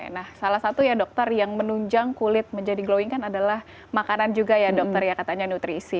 nah salah satu ya dokter yang menunjang kulit menjadi glowing kan adalah makanan juga ya dokter ya katanya nutrisi